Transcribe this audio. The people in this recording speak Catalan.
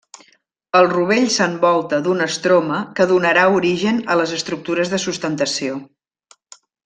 El rovell s'envolta d'un estroma que donarà origen a les estructures de sustentació.